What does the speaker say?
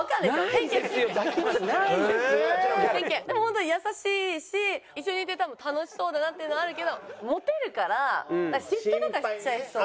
でも本当に優しいし一緒にいて多分楽しそうだなっていうのはあるけどモテるから嫉妬とかしちゃいそう。